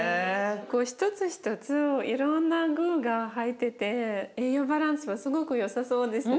こう一つ一ついろんな具が入ってて栄養バランスはすごくよさそうですね。